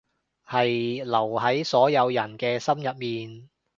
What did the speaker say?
係留喺所有人嘅心入面